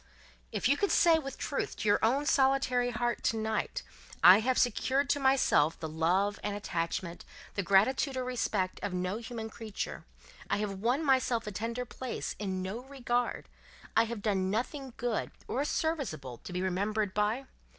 "If you could say, with truth, to your own solitary heart, to night, 'I have secured to myself the love and attachment, the gratitude or respect, of no human creature; I have won myself a tender place in no regard; I have done nothing good or serviceable to be remembered by!